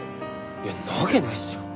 いやんなわけないっすよ。